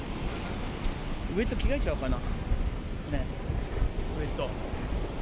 ウエット着替えちゃおうかな。